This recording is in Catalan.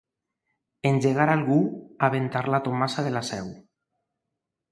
Engegar algú a ventar la Tomasa de la Seu.